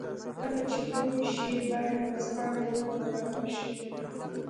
کله چې لوی شي بايد ورځپاڼې وپلورلای شي.